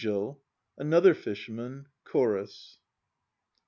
ANOTHER FISHERMAN. ANGEL. CHORUS.